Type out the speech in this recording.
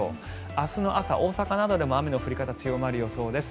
明日の朝、大阪などでも雨の降り方が強まる予想です。